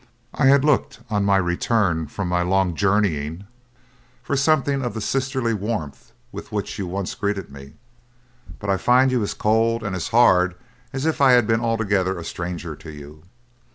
I had looked on my return from my long journeying for something of the sisterly warmth with which you once greeted me, but I find you as cold and hard as if I had been altogether a stranger to you.